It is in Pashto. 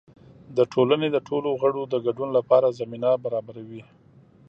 د ټولنې د ټولو غړو د ګډون لپاره زمینه برابروي.